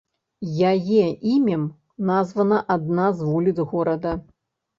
Яе імем названа адна з вуліц горада.